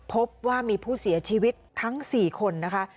พบว่ามีผู้เสียชีวิตทั้ง๔คนนะคะ